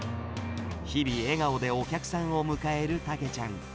日々、笑顔でお客さんを迎えるたけちゃん。